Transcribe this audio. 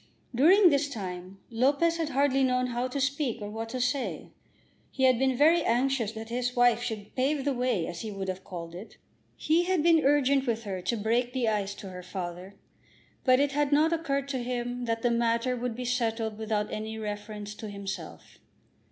During this time Lopez had hardly known how to speak or what to say. He had been very anxious that his wife should pave the way, as he would have called it. He had been urgent with her to break the ice to her father. But it had not occurred to him that the matter would be settled without any reference to himself.